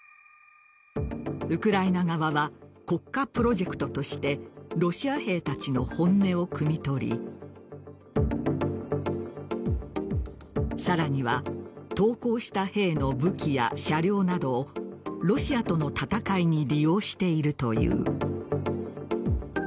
ウクライナ側は国家プロジェクトとしてロシア兵たちの本音をくみ取りさらには投降した兵の武器や車両などをロシアとの戦いに利用しているという。